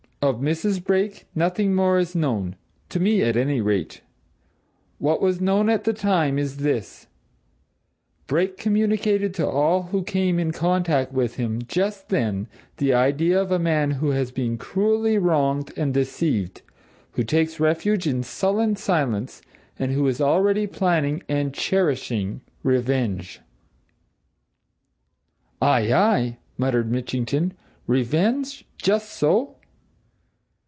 Of Mrs. Brake, nothing more is known to me at any rate. What was known at the time is this Brake communicated to all who came in contact with him, just then, the idea of a man who has been cruelly wronged and deceived, who takes refuge in sullen silence, and who is already planning and cherishing revenge!" "Aye, aye!" muttered Mitchington. "Revenge? just So!"